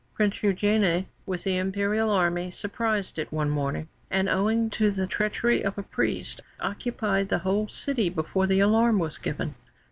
Prince Eugène, with the Imperial Army, surprised it one morning, and, owing to the treachery of a priest, occupied the whole city before the alarm was given.